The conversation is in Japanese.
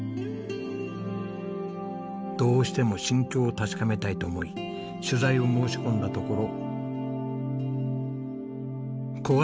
どうしても心境を確かめたいと思い取材を申し込んだところ。